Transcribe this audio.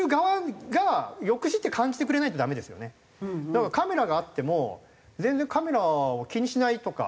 だからカメラがあっても全然カメラを気にしないとか。